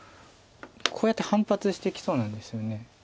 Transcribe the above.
こうやって反発してきそうなんですよね。